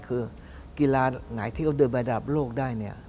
คือเกียราหลายที่เขาเดินไปอันดับโลกได้